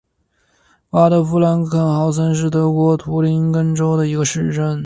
巴德夫兰肯豪森是德国图林根州的一个市镇。